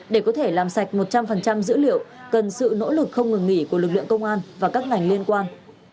để có thể làm sạch một trăm linh dữ liệu cần sự nỗ lực không ngừng nghỉ của lực lượng công an và các ngành liên quan